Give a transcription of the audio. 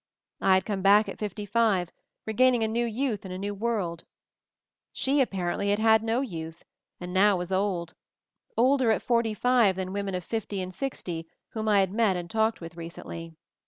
I had come back at fifty five, regaining a new youth in a new world. She apparently had had no youth, and now was old — older at forty five than women of MOVING THE MOUNTAIN 289 fifty and sixty whom I had met and talked with recently.